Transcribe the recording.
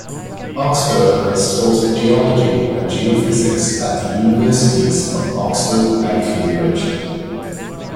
Oxburgh has taught geology and geophysics at the Universities of Oxford and Cambridge.